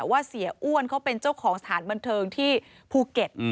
เสียอ้วนเขาเป็นเจ้าของสถานบันเทิงที่ภูเก็ต